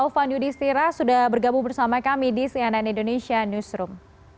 taufan yudhistira sudah bergabung bersama kami di cnn indonesia newsroom